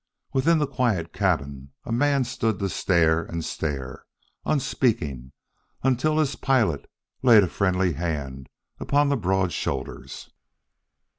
Within the quiet cabin a man stood to stare and stare, unspeaking, until his pilot laid a friendly hand upon the broad shoulders.